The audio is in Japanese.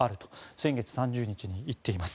先月３１日に言っています。